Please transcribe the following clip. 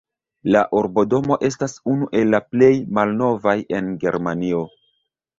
La urbodomo estas unu el la plej malnovaj en Germanio.